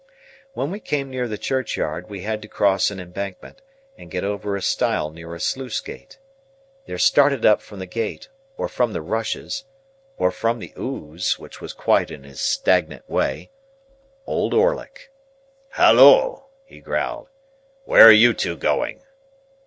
When we came near the churchyard, we had to cross an embankment, and get over a stile near a sluice gate. There started up, from the gate, or from the rushes, or from the ooze (which was quite in his stagnant way), Old Orlick. "Halloa!" he growled, "where are you two going?"